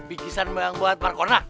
bingkisan yang buat markona